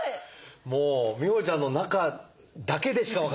もう美帆ちゃんの中だけでしか分からない。